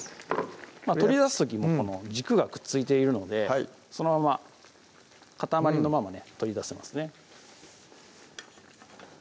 取り出す時もこの軸がくっついているのでそのまま塊のままね取り出せますね